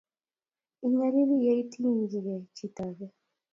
inyalili ye iting'chigei chito age